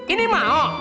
ini ma o